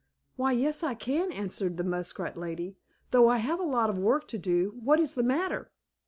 "Why, yes, I can," answered the muskrat lady, "though I have a lot of work to do. What is the matter?"